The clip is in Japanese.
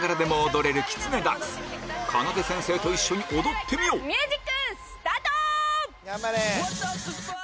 かなで先生と一緒に踊ってみようスタート！